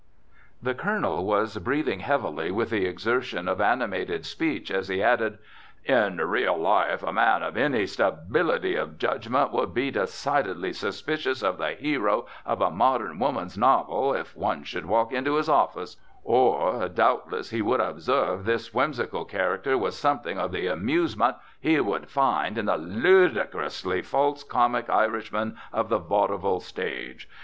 The Colonel was breathing heavily with the exertion of animated speech as he added: "In real life a man of any stability of judgment would be decidedly suspicious of the hero of a modern woman's novel if one should walk into his office, or, doubtless, he would observe this whimsical caricature with something of the amusement he would find in the ludicrously false comic Irishman of the vaudeville stage.